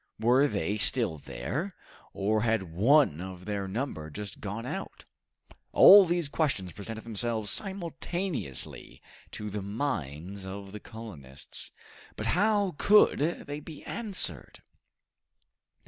Were they still there, or had one of their number just gone out? All these questions presented themselves simultaneously to the minds of the colonists, but how could they be answered?